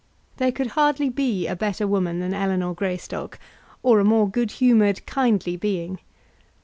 There could hardly be a better woman than Ellinor Greystock, or a more good humoured, kindly being.